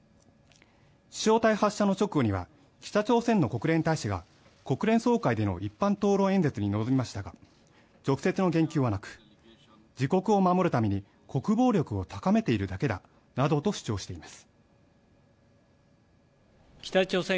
飛翔体発射の直後には北朝鮮の国連大使が国連総会での一般討論演説に臨みましたが直接の言及はなく、自国を守るために国防力を高めているだけだなどと主張しています。